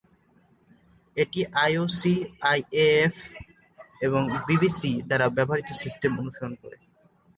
এটি IOC, IAAF এবং BBC দ্বারা ব্যবহৃত সিস্টেম অনুসরণ করে।